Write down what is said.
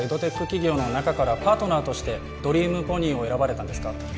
企業の中からパートナーとしてドリームポニーを選ばれたんですか？